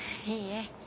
いいえ。